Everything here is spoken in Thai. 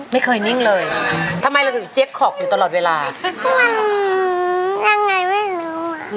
ไม่เคยนิ่งเลยธรรมดามันยังไงไม่รู้